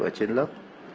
ở trên lớp